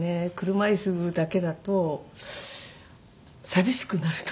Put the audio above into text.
車椅子だけだと寂しくなると。